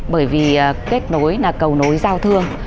bởi vì kết nối là cầu nối giao thương